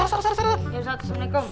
ya ustadz assalamualaikum